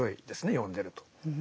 読んでると。